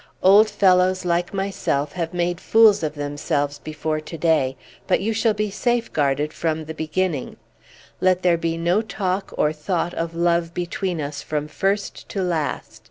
Old fellows like myself have made fools of themselves before to day, but you shall be safeguarded from the beginning. Let there be no talk or thought of love between us from first to last!